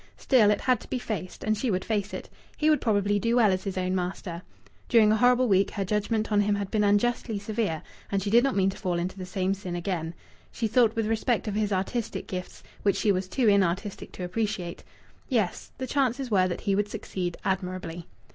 Still, it had to be faced, and she would face it. He would probably do well as his own master. During a whole horrible week her judgment on him had been unjustly severe, and she did not mean to fall into the same sin again. She thought with respect of his artistic gifts, which she was too inartistic to appreciate. Yes, the chances were that he would succeed admirably.